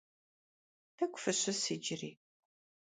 Тӏэкӏу фыщыс иджыри.